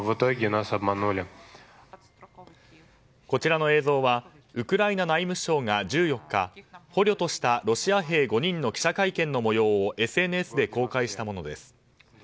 こちらの映像はウクライナ内務省が１４日捕虜としたロシア兵５人の記者会見の模様をＳＮＳで公開したものです。